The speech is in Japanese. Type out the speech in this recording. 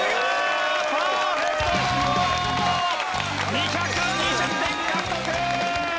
２２０点獲得！